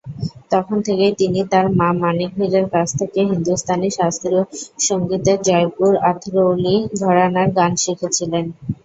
তখন থেকেই তিনি তাঁর মা মানিক ভিড়ের কাছ থেকে হিন্দুস্তানী শাস্ত্রীয় সংগীতের জয়পুর-আতরৌলি ঘরানার গান শিখেছিলেন।